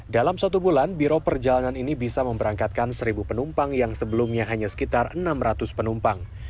dalam satu bulan biro perjalanan ini bisa memberangkatkan seribu penumpang yang sebelumnya hanya sekitar enam ratus penumpang